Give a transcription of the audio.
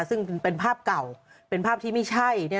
ซึ่งเป็นภาพเก่าเป็นภาพที่ไม่ใช่